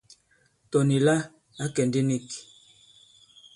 Tɔ̀ nì la à kɛ ndī nik.